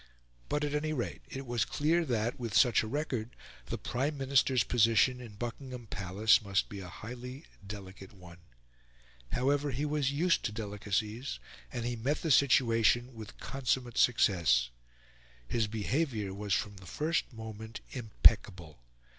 But at any rate it was clear that, with such a record, the Prime Minister's position in Buckingham Palace must be a highly delicate one. However, he was used to delicacies, and he met the situation with consummate success. His behaviour was from the first moment impeccable.